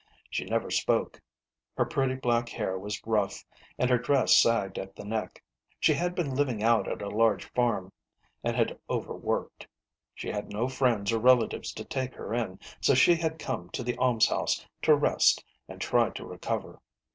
She never spoke. Her pretty black hair was rough, and her dress sagged at the neck. She had been living out at a large farm, and had overworked. She had no friends or SISTER LIDDY. 83 relatives to take her in ; so she had come to the almshouse to rest and try to recover.